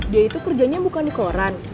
dia itu kerjanya bukan di koran